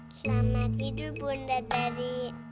selamat tidur bunda dari